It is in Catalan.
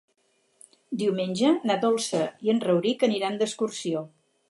Diumenge na Dolça i en Rauric aniran d'excursió.